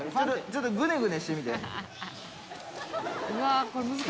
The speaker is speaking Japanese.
ちょっとグネグネしてみて。